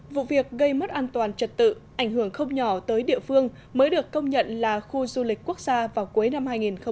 vụ việc gây mất an toàn trật tự ảnh hưởng không nhỏ tới địa phương mới được công nhận là khu du lịch quốc gia vào cuối năm hai nghìn một mươi chín